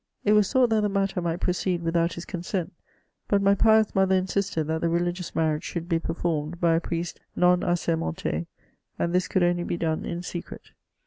It was thought that the matter might pro ceed without his consent ; but my pious mother insisted that the religious marriage should be performed by a priest nonaMermenii, and this could only be done m secret.